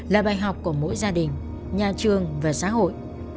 là bài học của mỗi gia đình nhà trường và xã hội